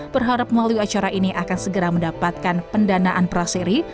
berharap melalui acara ini akan segera mendapatkan pendanaan praseri